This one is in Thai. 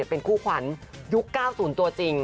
เป็นคู่ขวัญยุคเกราะสูญตัวจริง